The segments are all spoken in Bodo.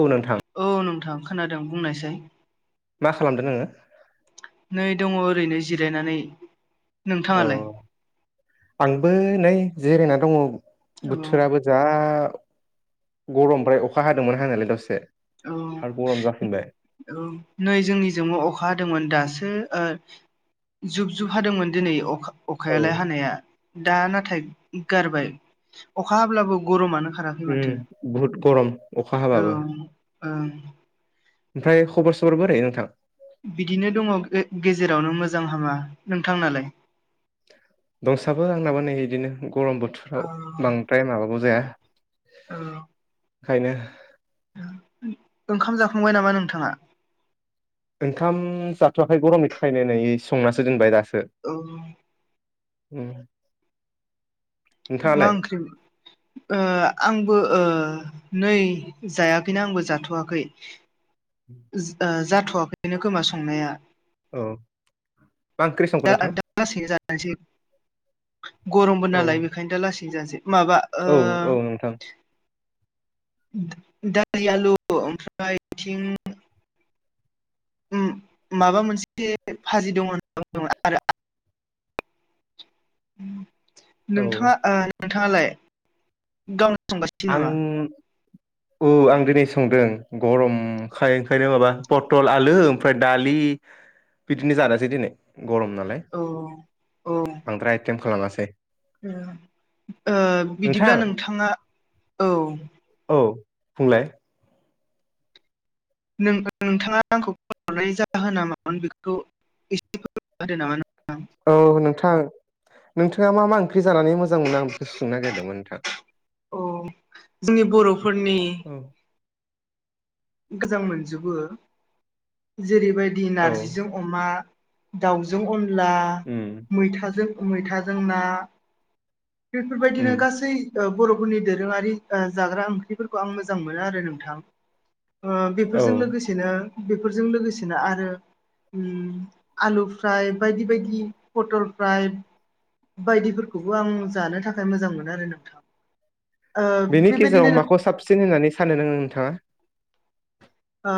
औ नोंथां औ नोंथां खोनादों बुंनायसाय? मा खालामदों नोङो? नै दङ ओरैनो जिरायनानै। औ नोंथाङालाय? आंबो नै जिरायना दङ औ बोथोराबो जा। गरम ओमफ्राय अखा हादोंमोन हानायालाय दसे। औ आरो गरम जाफिनबाय औ नै जोंनि जोंबो अखा हादोंमोन दासो। ओ जुब जुब हादोंमोन दिनै अखा औ अखायालाय हानाया। दा नाथाय गारबाय अखा हाब्लाबो गरमानो। खाराखै माथो उम बहुत गरम अखा औ हाबाबो। ओं। ओमफ्राय खबर सबर बोरै नोंथां? बिदिनो दङ गेजेरावनो मोजां हामा नोंथांनालाय। दंसाबो आंनाबो नै इदिनो गरम औ बोथोराव बांद्राय माबाबो जाया। औ। ओंखायनो। ओंखाम जाखांबाय नामा नोंथाङा। ओंखाम जाथ'वाखै गरमनि थाखायनो नै संनासो दोनबाय दासो। औ। उम। मा नोंथाङालाय ओंख्रि। ओ आंबो ओ नै जायाखैनो आंबो जाथ'वाखै। ओ जाथ'वाखैनो खोमा संनाया। औ मा ओंख्रि दा संखो नोंथां। दा लासैनो जानोसै गरमबो औ नालाय बेखायनो दा लासैनो जानोसै। माबा ओ। औ औ नोंथां दालि आलु ओमफ्राय थिं माबा मोनसे फाजि दङ। नोंथाङा [unintelligible] औ नोंथां आलाय गावनो संगासिनो नामा। आं औ आं दिनै संदों गरमखाय ओंखायनो माबा पथल आलु ओमफ्राय दालि। बिदिनो जानोसै दिनै। गर'म नालाय औ औ बांद्राय आइटेम खालामाखै। ओ नोंथां बिदिब्ला नोंथाङा औ। औ बुंलाय। नों नोंथाङा आंखौ फ'न हरनायनि जाहोनना मामोन बेखौ। एसे फोरमायना होदो नामा नोंथां। औ नोंथां नोंथाङा मा मा। जानानै मोजां मोनो आं बेखौसो‌ सोंनो नागिरदोंमोन नोंथां। औ जोंनि बर'फोरनि। औ मोजां मोनजोबो जेरैबायदि औ नारजिजों अमा। दाउजों अनला उम मैथाजों मैथाजों ना। बेफोर उम बायदिनो गासै। बर'फोरनि दोरोङारि जाग्रा ओंख्रिफोरखौ आं मोजां मोनो आरो नोंथां। ओ औ बेफोरजों लोगोसेनो बेफोरजों लोगोसेनो आरो। आलुफ्राय बायदि बायदि पटलफ्राय। बायदिफोरखौबो आं जानो थाखाय मोजां मोनो आरो नोंथां। ओ बेनि गेजेराव बेबायदिनो माखौ साबसिन होननानै सानो नोङो नोंथाङा आ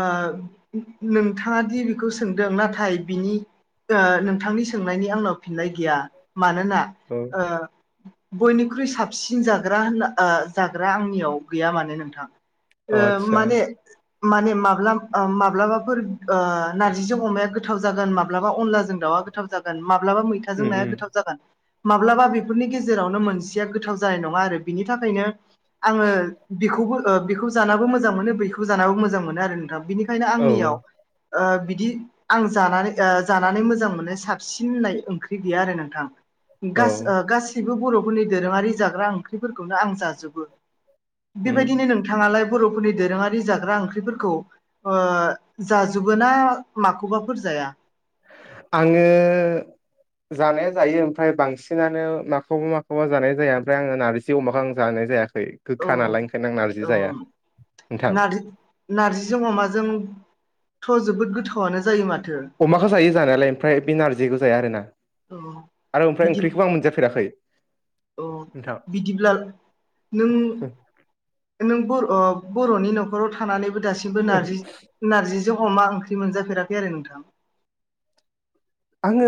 नोंथाङा दि बेखौ सोंदों नाथाय बिनि ओ नोंथांनि सोंनायनि आंनाव फिननाय गैया मानोना बयनिख्रुइ साबसिन जाग्रा होनना जाग्रा आंनियाव गैया मानो नोंथां औ ओ आदसा माने माने माब्ला ओ माब्लाबाफोर ओ नारजिजों अमाया गोथाव जागोन माब्लाबा अन्थायजों दावा गोथाव जागोन माब्लाबा मैथाजों उम नाया उम गोथाव जागोन। माब्लाबा बेफोरनि गेजेरावनो मोनसेया गोथाव जानाय नङा आरो बिनि थाखायनो आङो बेखौ बो बेखौ जाबो मोजां मोनो बेखौ जानाबो मोजां मोजां मोनो आरो नोंथां बिनिखायनो औ आंनियाव ओ बिदि आं जानानै ओ जानानै मोजां मोननाय साबसिन होननाय ओंख्रि गैया आरो नोंथां। औ गासै ओ गासैबो बर'फोरनि दोरोङारि जाग्रा ओंख्रिफोरखौनो आं जाजोबो। उम बेबायदिनो नोंथाङालाय बर'फोरनि दोरोङारि जाग्रा ओंख्रि फोरखौ ओ जाजोबो ना माखौबाफोर जाया? आङो जानाया जायो ओमफ्राय बांसिनानो माखौबा माखौबा जानाय जाया ओमफ्राय आङो नारजि अमाखौ आं जानाय जाया। औ गोखा नालाय ओंखायनो आं नारजि जाया नोंथां। नार्जिजों अमाजोंथ' जोबोद गोथावानो जायो माथ अमाखौ जायो जानायालाय ओमफ्राय बे नारजिखौ जाया आरो ना। औ आरो ओमफ्राय बिदि ओंख्रिखौबो आं मोनजाफेराखै। औ नोंथां बिदिब्ला नों नोंबो बर'नि न'खराव थानानैबो दासिमबो नारजि नारजि अमा ओंख्रि मोनजाफेराखै आरो नोंथां? आङो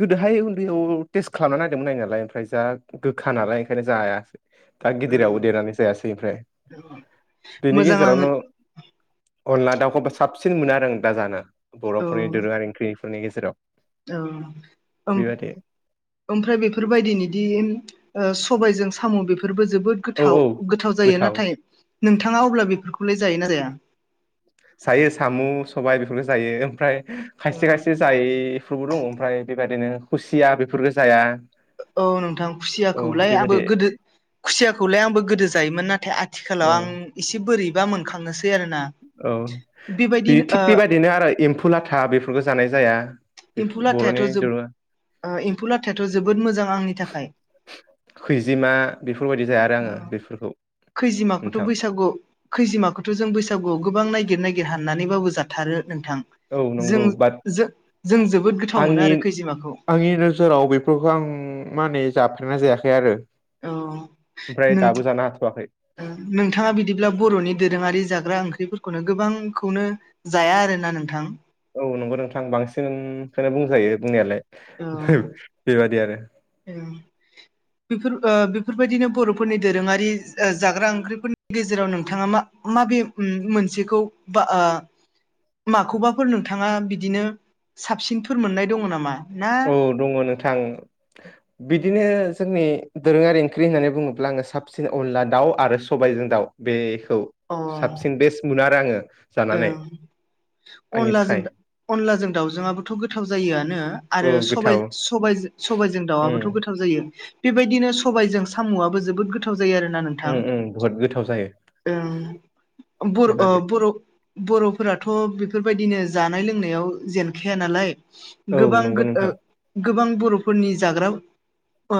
गोदोहाय उन्दैयाव टेस्ट खालामना नायदोंमोन नायनायालाय ओमफ्राय जा गोखा नालाय ओंखायनो जायासै। दा औ गिदिरावबो देरनानै जायासै ओमफ्राय औ बेनि मोजां नाङो गेजेरावनो अनला दाउखौबो साबसिन मोनो आरो आं दा जानो बर'फोरनि दोरोङारि ओंख्रिफोरनि गेजेराव। ओम ओम बेबायदि ओमफ्राय बेफोरबायदिनिदि सबायजों साम' बेफोरबो जोबोद औ गोथाव औ गोथाव जायो नाथाय नोंथाङा अब्ला बेफोरखौलाय जायो ना जाया? जायो साम' सबाय बेफोरखौ जायो ओमफ्राय खायसे खायसे जायैफोरबो दङ ओमफ्राय बेबायदिनो खुसिया बेफोरफोरखौ जाया। औ नोंथां औ खुसियाखौलाय आंबो बेबायदि गोदो खुसियाखौलाय आंबो गोदो जायोमोन नाथाय औ आथिखालाव आं एसे बोरैबा मोनखांसै औ ओ थिग बेबायदिनो आरो एम्फौ लाथा बेफोरखौ जानाय जाया। एम्फौ बेफोर लाथायाथ' बर'नि दोरोङा जोबोद एम्फौ लाथायाथ' जोबोद मोजां आंनि थाखाय। खैजिमा बेफोरबायदि जाया आरो आङो बेफोरखौ। खैजिमाखौथ' नोंथां बैसागु खैजिमाखौथ' जों बैसागु गोबां नायगिर नायगिर हाननानैबाबो जाथारो नोंथां औ जों नंगौ बाट जों। जोबोद गोथाव मोनो आंनि आरो खैजिमाखौ। आंनि नोजोराव बेफोरखौ आं माने जाफेरनाय जायाखै आरो। औ ओमफ्राय नों दाबो जानो हाथ'वाखै ओ नोंथाङा बिदिब्ला बर'नि दोरोङारि जाग जाग्रा ओंख्रिफोरखौनो गोबांखौनो जाया आरो ना नोंथां? औ नंगौ नोंथां बांसिनखौनो बुंजायो बुंनायालाय बेबादि आरो। ए। बेफोर ओ बेफोरबायदिनो बर'फोरनि दोरोङारि जाग्रा ओंख्रिफोरनि गेजेराव नोंथाङा मा मा मा बे मोनसेखौ बा माखौबाफोर नोंथाङा बिदिनो साबसिनफोर मोननाय दङ नामा? ना औ दङ नोंथां। बिदिनो जोंनि दोरोङारि ओंख्रि होननानै बुङोब्ला आङो साबसिन अनला दाउ आरो सबायजों दाउ। बेखौ अ साबसिन बेस्ट मोनो आरो आङो। जानानै ओं आंनि अनलाजों थाखाय अनलाजों दाउजों आबोथ गोथाव जायोआनो। औ आरो सबाय गोथाव सबाय सबायजों दाउआबोथ उम गोथाव जायो। बेबायदिनो सबायजों सामुआबो जोबोद गोथाव। जायो आरोना उम नोंथां उम बुहुद गोथाव जायो ओ बर' बेबादि बर' बर'फोराथ' बेफोर बायदिनो जानाय लोंनायाव जेनखाया नालाय। औ गोबां नंगौ ओ नोंथां गोबां बर'फोरनि जाग्रा ओ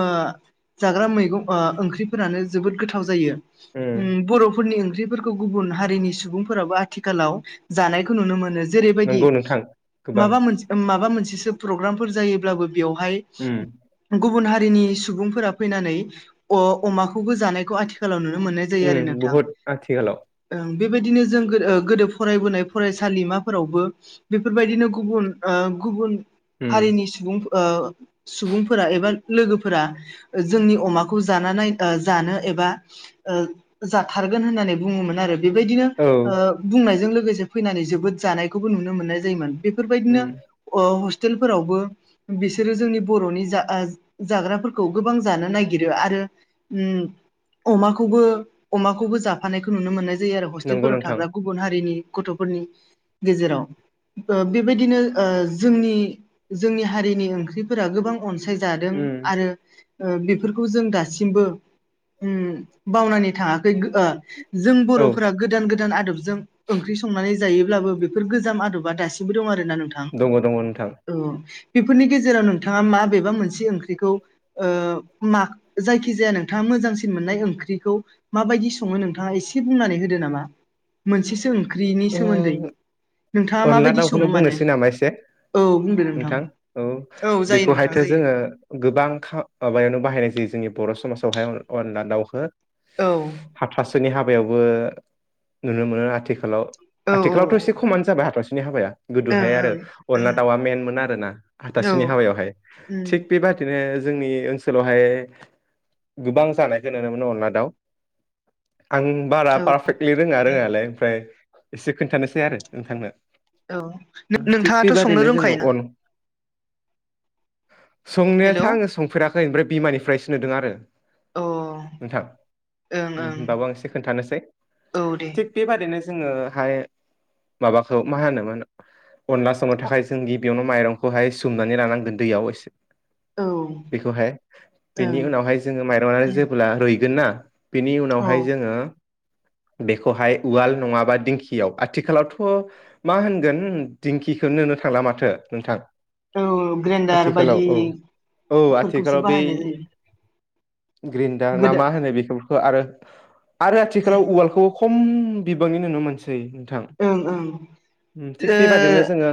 जाग्रा मैगं ओ ओंख्रिफोरानो जोबोद गोथाव जायो। उम बर'फोरनि ओंख्रिफोरखौ गुबुन हारिनि सुबुंफोराबो आ थिखालाव जानायखौ नुनो मोनो जेरैबायदि नंगौ नोंथां गोबां माबा मोनस माबा मोन सेसो पग्रामफोर जायोब्लाबो बेयावहाय उम गुबुन हा हारिनि सुबुंफोरा फैनानै अ अमाखौबो जानायखौ आथिखालाव नु मोननाय जायो उम आरो नोंथां बुहुद आथिखालाव ओ बेबायदिनो जों गो गोदो फरायबोनाय फरायसालिमाफोरावबो बेफोर बायदिनो गुबुन ओ गुबुन उम हारिनि सुबुं ओ सुबुंफोरा एबा लोगोफोरा जोंनि अमाखौ जानानै जानो एबा ओ जाथार जागोन होननानै बुङोमोन आरो बेबायदिनो औ ओ बुंनायजों लोगोसे फैनानै जोबोद जानायखौबो नुनो मोननाय जायोमोन। बेफोर बायदिनो उम ओ हब टेलफोरावबो बिसोरो जोंनि बर'नि जा जाग्राफोरखौ गोबां जानो नागिरो आरो उम अमाखौबो अमाखौबो जाफानायखौ नुनो मोननाय जै आरो नंगौ हस्टेलफोराव नोंथां थाग्रा गुबुन हारिनि गथफोरनि गेजेराव ओ बेबायदिनो ओ जोंनि जोंनि हारिनि ओंख्रिफोरा गोबां अनसाय सायजादों उम आरो ओ बेफोरखौ जों दासिमबो उम बावनानै थाङाखै ओ जों औ बर'फोरा गोदान गोदान आदब जों ओंख्रि संनानै जायोब्लाबो बेफोर गोजाम आदबा दासिमबो दं आरो ना नोंथां दङ दङ नोंथां औ बेफोरनि गेजेराव नोंथाङा मा बेेबा मोनसे ओंख्रिखौ ओ मा जायखि जाया नोंथांमो मोजांसिन मोननाय ओंख्रिखौ मा बायदि सङो नोंथाङा एसे बुंनानै होदो नामा। मोनसेसो ओंख्रिनि सोमोन्दै। उम नोंथाङा अनला माबायदि दाउखौनो सङो माने बुंनोसै नामा एसे। औ बुंदो नोंथां औ औ जायो बेखौ नोंथां हायथो जायो जोङो गोबां खा माबायावनो बाहायनाय जायो जोंनि बर' समाजाव हाय अनला दावखो औ हाथासुनि हा बायावबो नुनो मोनो आथिखालाव औ औ आथिखालावथ ओं एसे खमानो जाबाय हाथासुनि हाबाया गोदो हाय आरो ओं अनला दाउआ मेनमोन आरो ना औ आथासुनि हाबायाव हाय उम थिग बेबादिनो जोंनि ओनसोलाव हाय गोबां जानायखौ नुनो मोनो अनला दाउ आं बारा औ पारफेकलि रोङा रोङालाय ओमफ्राय एसे खोनथानोसै आरो नोंथांनो औ थिग नोंथांङाथ संनो बेबादिनो रोंखाय जोङो ना? अन संनायाथ आङो संफेराखै ओमफ्राय बिमानिफ्रायसो नुदों आरो ओं नोंथां उम ओं होनबाबो आं एसे खोनथानोसै औ दे थिग बेबादिनो जोङो हाय माबाखौ मा होनोमो अनला संनो औ थाखाय जोंनि बेयावनो माइरंखौ हाय सोमनानै लानांगोन दैयाव एसे ओं बेखौहाय बेनि उनाव हाय जोङो माइरंया जेब्ला रुइगोन ना बिनि उनाव औ हाय जोङो बेखौहाय उवाल नङाबा दिंखियाव आथिखालावथ मा होनगोन दिंखिखोनो नुनो मोनला माथो नोंथां औ ग्रेन्डार आथिखालाव औ बायदि औ फोरखौसो आथिखालाव बेै बाहायनाय जायो ग्रिनडार ना गोदो मा होनो बेफोरखौ आरो आरो आथिखालाव उवालखौ खम बिबांनि नुनो मोनसै नोंथां ओं ओं थिग बेबादिनो जोङो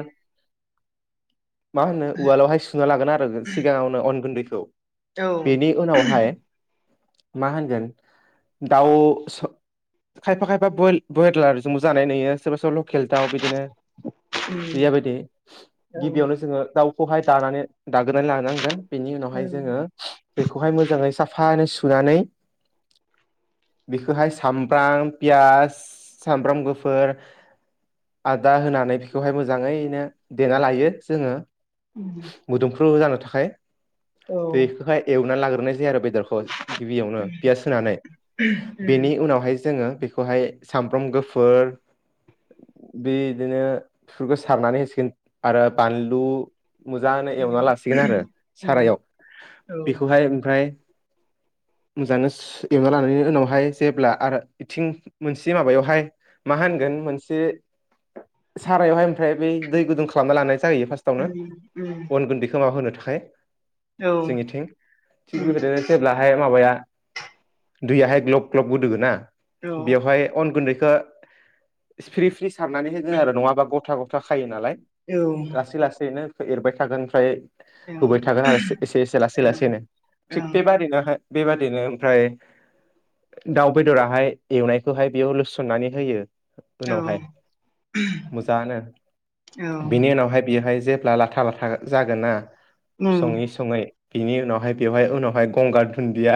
मा होनो उवालावहाय सुना लागोन आरो सिगाङावनो अन गुन्दैखौ ओ औ बेनि उनावहाय‌ मा होनगोन दाउ स खायफा खायफा ब्रयलारजोंबो जानाय नुयो सोरबा सोरबा लकेल दाउ बिदिनो उम गैया बायदि औ ओं गिबियावनो जोङो दाउखौहाय दानानै दानग्रोनानै लानांगोन बेनि उनाव हाय जोङो बेखौहाय मोजाङै साफै सुनानै बेखौहाय सामब्राम पियास सामब्राम गुफुर। आदा होनानै बेखौहाय मोजाङैनो देना लायो जोङो। उम मोदोमफ्र जानो थाखाय औ बेखौहाय एवनानै लाग्रोनाय जायो आरो। बेदरखौ गिबियावनो पियास होनानै बेनि उनावहाय जोङो। बेखौहाय सामब्राम गुफुर। बे बिदिनो बेफोरखौ सारनानै होसिगोन आरो बानलु। मोजाङै एवना लासिगोन आरो सारायाव बेखौहाय ओमफ्राय। मोजांनो एवना लानायनि उनावहाय जेब्ला आरो बिथिं मोनसे माबायावहाय मा होनो। गोन मोनसे सारायावहाय ओमफ्राय बे दै गुदुं खालामना ला‌। नाम जायो उम उम फार्स्टआवनो औ उम औ उम औ अन गुन्दैखौ माबा होनो थाखाय। जोंनिथिं थिग बेबायदिनो जेब्लाहाय माबाया। दैुयाहाय ग्लब ग्लब गोदुयोना औ ओं औ बेवहाय अन गुन्दै। खो सफ्रि फ्रि सारनानै होगोन आरो नङाबा गथा गथा खायो नालाय। लासै लासैनो एरबाय थागोन ओमफ्राय। होबाय थागोन आरो एसे एसे लासै लासैनो थिग बेबादिनो। बेबादिनो ओमफ्राय। दाउ बेदराहाय एवनायखौहाय बेयाव लुसननानै होयो। उनावहाय मोजांनो बिनि उनावहाय बियोहाय जे। ला लाथा लाथा जागोन ना उम सङै सङै। बिनि उनावहाय बेवहाय उनावहाय गंगार दुन्दिया।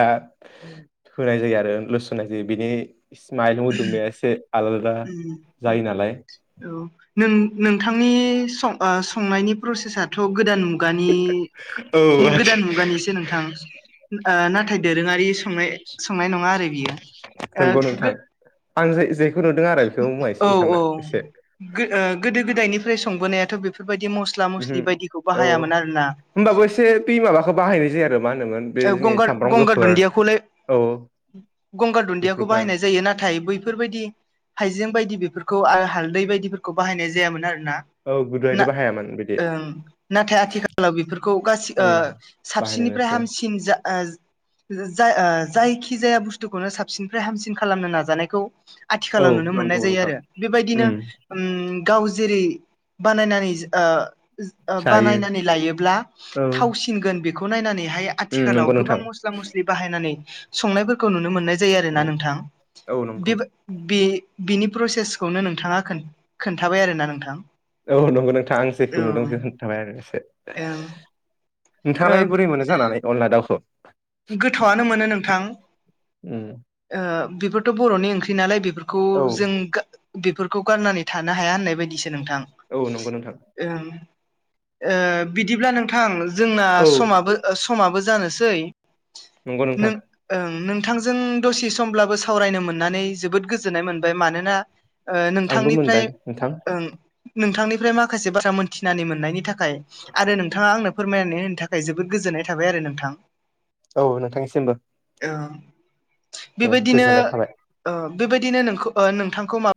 होनाय जायो आरो लुसोनाय जायो बिनि। समाइल मोदुमनाया एसे आलादा उम जायो नालाय। औ नों नोंथांनि संनायनि ओ प्रसेसाथ'। गोदान मुगानि खो। औ गोदान मुगानिसो नोंथां नाथाय दोरोङारि संनाय संनाय नङा। मार बियो नंगौ नोंथां ओ। आं जे जेखौ नुदों आरो बेखौ बुंबाय औ एसेथांनो एसे। गोदो गोदायनिफ्राय संबोनायाथ' बेफोरबायदि मस्ला मस्लि ओम बायदिखौ औ बाहायामोन आरोना होनबाबो एसे पि माबाखौ बाहायनाय जायो आरो। मा होनोमोन बे जोंनि गंगार सामब्राम गंगार गुफुर दुन्दियाखौलाय। औ गंगार दुन्दियाखौ बेफोरखौहाय बाहायनाय जायो नाथाय बैफोरबायदि हाइजें बायदि बेफोरखौ। खौ हालदै बायदिफोरखौ बाहायनाय जायामोन आरो। औ गुदुहायनो बाहायामोन। बिदि ओं नाथाय आथिखालाव बेफोरखौ गासै उम साबसिननिफ्राय बाहायनायनोसै हामसिन। जा। ओ जा जायखि जाया बुस्थुखौनो साबसिननिफ्राय हामसिन खालामनो नाजानायखौ। औ आथिखालाव नुनो मोननाय नंगौ जायो नोंथां आरो बेबायदिनो उम ओम। गाव जेरै बानायनानै ओ। ओ जायो बानायनानै लायोब्ला औ थावसिनगोन बेखौ नायनानैहाय। उम आथिखालाव नंगौ गोबां नोंथां मस्ला मस्लि बाहायनानै संनायफोरखौ नुनो मोन्नाय। जायो आरोना उम नोंथां औ नंगौ बेबो बे। बिनि प्रसेसखौनो नोंथाङा खोन्थाबाय आरोना नोंथां? औ नंगौ नोंथाङां आं जेखौ औ नुदों ओं खथाबाय आरो एसे। ओ नोंथाङालाय बोरै मोनो जानानै अनला दाउखौ गोथावआनो मोनो नोंथां उम बेफोरथ' बर'नि ओंख्रि नालाय बे बेफोरखौ औ जों बेफोरखौ गारनानै थानो हाया होननाय बायदिसो नोंथां -ओ औ नंगौ नोंथां बिदिब्ला नोंथां जोंना औ समाबो-समाबो जानोसै नंगौ नोंथां नों नोंथांजों दसे समब्लाबो सावरायनो मोननानै जोबोद गोजोननाय मोनबाय मानोना आंबो नोंथांनिफ्राय मोनबाय नोंथां ओं नोंथांनिफ्राय माखासे बाथ्रा मोनथिनानै मोननायनि थाखाय आरो नोंथाङा आंनो फोरमायनानै होनो थाखाय जोबोद गोजोननाय थाबाय आरो नोंथां औ नोंथांनिसिमबो दे गोजोननाय बेबायदिनो- थाबाय बेबायदिनो नोंथांखौ मा